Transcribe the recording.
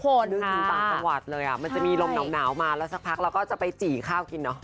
นึกถึงต่างจังหวัดเลยมันจะมีลมหนาวมาแล้วสักพักเราก็จะไปจี่ข้าวกินเนอะ